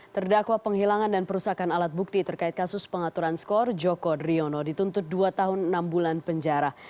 terdakwa penghilangan dan perusakan alat bukti terkait kasus pengaturan skor joko driono dituntut dua tahun enam bulan penjara